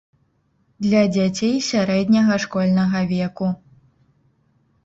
Для дзяцей сярэдняга школьнага веку.